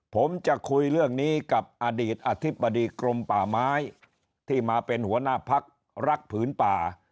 ผมจะคุยเรื่องนี้กับอดีตอธิบดีกรมป่าไม้ที่มาเป็นหัวหน้าพักรักผืนป่า